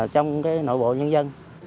trong nội bộ nhân dân